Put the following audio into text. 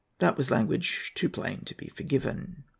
That was language too plain to be forgiven.